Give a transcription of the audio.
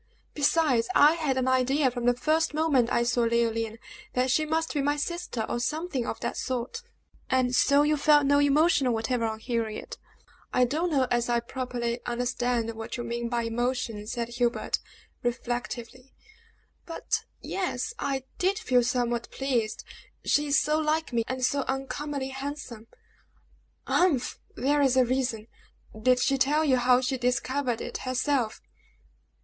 Besides, I had an idea from the first moment I saw Leoline that she must be my sister, or something of that sort." "And so you felt no emotion whatever on hearing it?" "I don't know as I properly understand what you mean by emotion," said Herbert, reflectively. "But ye e s, I did feel somewhat pleased she is so like me, and so uncommonly handsome!" "Humph! there's a reason! Did she tell you how she discovered it herself?"